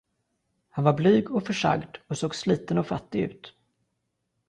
Han var blyg och försagd och såg sliten och fattig ut.